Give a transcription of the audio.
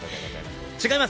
違います！